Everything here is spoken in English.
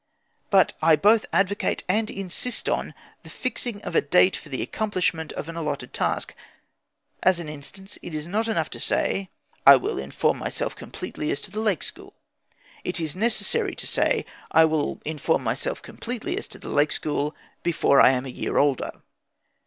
But I both advocate and insist on the fixing of a date for the accomplishment of an allotted task. As an instance, it is not enough to say: "I will inform myself completely as to the Lake School." It is necessary to say: "I will inform myself completely as to the Lake School before I am a year older."